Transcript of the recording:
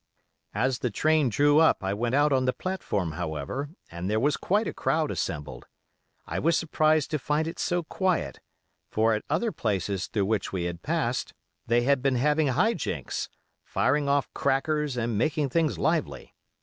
As the train drew up I went out on the platform, however, and there was quite a crowd assembled. I was surprised to find it so quiet, for at other places through which we had passed they had been having high jinks: firing off crackers and making things lively.